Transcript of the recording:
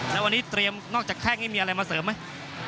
แล้ววันนี้เตรียมนอกจากแข้งนี่มีอะไรมาเสริมไหม